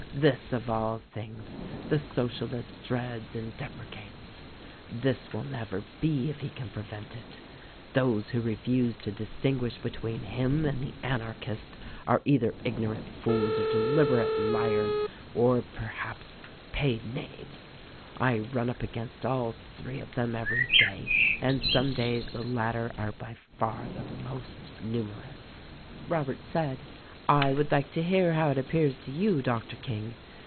This, of all things, the Socialist dreads and depre cates. This will never be if he can prevent it. Those who refuse to distinguish between him and the Anarchist are either ignorant tools or deliberate liars, or, perhaps, paid knaves. I run up against all three of them every day, and some days the latter are by far the most numerous." Robert said : "I would like to hear how it appears to you, Doctor King.